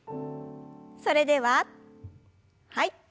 それでははい。